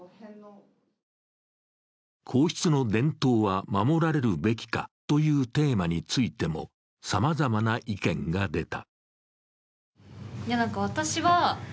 皇室の伝統は守られるべきかというテーマについてもさまざまな意見が出た。